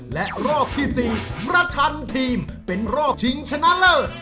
และรอบที่๔ประชันทีมเป็นรอบชิงชนะเลิศ